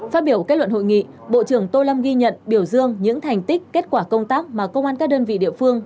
phát biểu kết luận hội nghị bộ trưởng tô lâm ghi nhận biểu dương những thành tích kết quả công tác mà công an các đơn vị địa phương